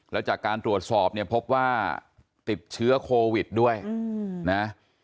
แล้วจากการตรวจสอบเนี่ยพบว่าติดเชื้อโควิดด้วยนะ